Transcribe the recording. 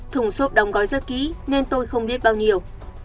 thùng xốp đóng gói rất kỹ nên tôi không biết bao nhiêu